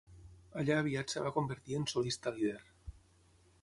Allà aviat es va convertir en solista líder.